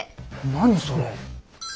何それ？